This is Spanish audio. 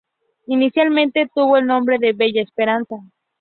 Inicialmente tuvo el nombre de "Bella Esperanza".